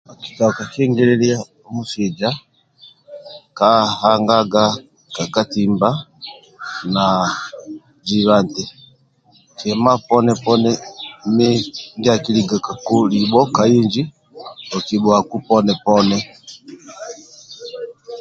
Okitoka kingililia musuija ka angaga ka ka katimba na jiba nti kima poni poni ndia akilikagaku libho ka inji okibhuaku poni poni